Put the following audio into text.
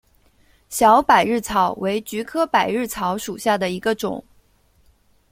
小百日草为菊科百日草属下的一个种。